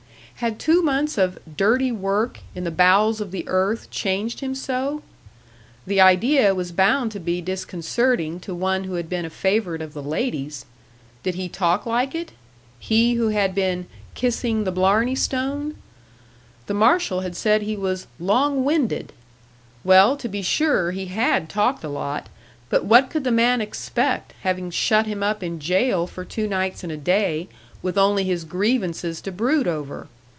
Had two months of "dirty work" in the bowels of the earth changed him so? The idea was bound to be disconcerting to one who had been a favourite of the ladies! Did he talk like it? he who had been "kissing the Blarney stone!" The marshal had said he was "long winded!" Well, to be sure, he had talked a lot; but what could the man expect having shut him up in jail for two nights and a day, with only his grievances to brood over!